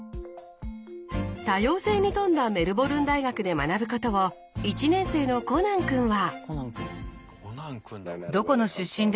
多様性に富んだメルボルン大学で学ぶことを１年生のコナン君は。